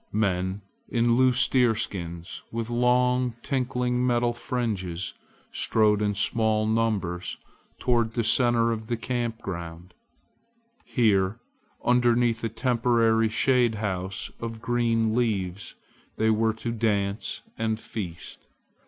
Men in loose deerskins, with long tinkling metal fringes, strode in small numbers toward the center of the round camp ground. Here underneath a temporary shade house of green leaves they were to dance and feast.